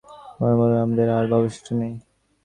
আরেকটু ওপরের দিকে তাকানোর মতো মনোবলও আমাদের আর অবশিষ্ট নেই।